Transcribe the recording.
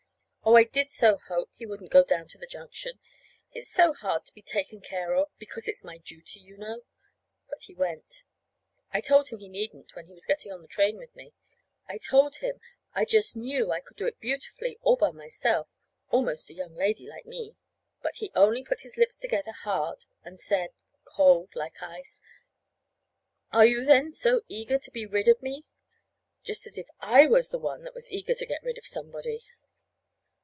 Oh, I did so hope he wouldn't go down to the junction. It's so hard to be taken care of "because it's my duty, you know"! But he went. I told him he needn't, when he was getting on the train with me. I told him I just knew I could do it beautifully all by myself, almost a young lady like me. But he only put his lips together hard, and said, cold, like ice: "Are you then so eager to be rid of me?" Just as if I was the one that was eager to get rid of somebody!